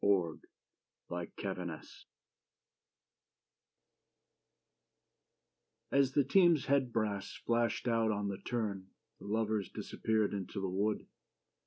AS THE TEAM'S HEAD BRASS As the team's head brass flashed out on the turn The lovers disappeared into the wood.